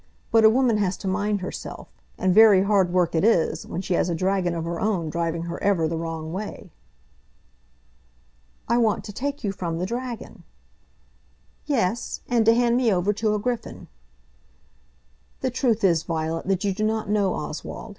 But a woman has to mind herself; and very hard work it is when she has a dragon of her own driving her ever the wrong way." "I want to take you from the dragon." "Yes; and to hand me over to a griffin." "The truth is, Violet, that you do not know Oswald.